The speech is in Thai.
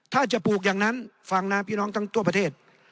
ถ้าจะปลูกอย่างนั้นฟังนะพี่น้องทั้งทั่วประเทศ